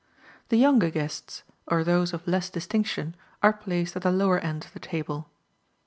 The younger guests, or those of less distinction, are placed at the lower end of the table.